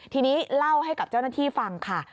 ทีนี้เล่าให้กับเจ้าหน้าที่ฟังค่ะ